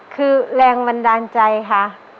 คือแลงว่าดาญใจค่ะ